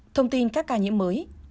một thông tin các ca nhiễm mới